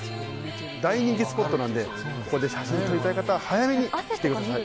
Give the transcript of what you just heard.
大人気スポットなんでここで写真を撮りたい人は早めに来てください。